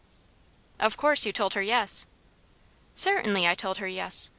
"Of course you told her yes." "Certainly I told her yes.